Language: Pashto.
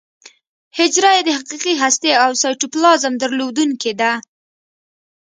حجره یې د حقیقي هستې او سایټوپلازم درلودونکې ده.